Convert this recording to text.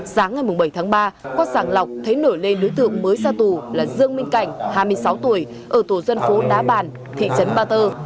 sáng ngày bảy tháng ba qua sàng lọc thấy nổi lên đối tượng mới ra tù là dương minh cảnh hai mươi sáu tuổi ở tổ dân phố đá bàn thị trấn ba tơ